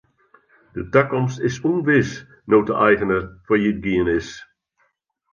De takomst is ûnwis no't de eigener fallyt gien is.